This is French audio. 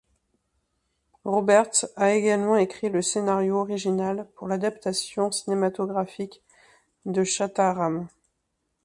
Roberts a également écrit le scénario original pour l'adaptation cinématographique de Shantaram.